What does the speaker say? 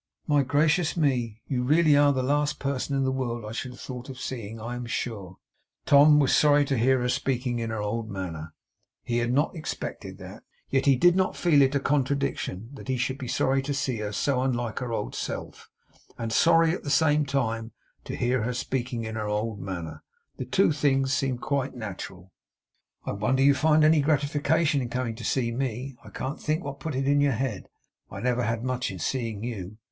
'My gracious me! You are really the last person in the world I should have thought of seeing, I am sure!' Tom was sorry to hear her speaking in her old manner. He had not expected that. Yet he did not feel it a contradiction that he should be sorry to see her so unlike her old self, and sorry at the same time to hear her speaking in her old manner. The two things seemed quite natural. 'I wonder you find any gratification in coming to see me. I can't think what put it in your head. I never had much in seeing you.